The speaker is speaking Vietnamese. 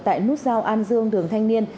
tại nút giao an dương đường thanh niên